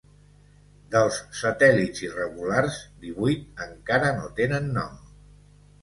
Dels satèl·lits irregulars, divuit encara no tenen nom.